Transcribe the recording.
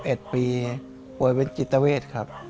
ก็อายุ๗๑ปีปลวงเป็นจิตเวศครับ